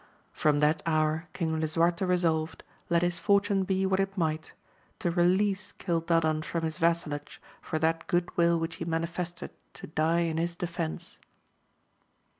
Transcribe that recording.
From that hour King Lisuarte resolved, let his fortune be what it might, to release Cildadan from his vassalage for that good will which he manifested to die in his defence.